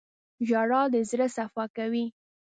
• ژړا د زړه صفا کوي.